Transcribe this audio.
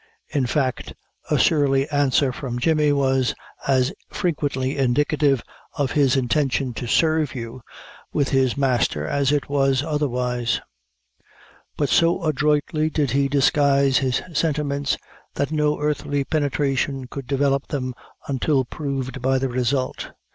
In fact, a surly answer from Jemmy was as frequently indicative of his intention to serve you with his master as it was otherwise; but so adroitly did he disguise his sentiments, that no earthly penetration could develop them until proved by the result.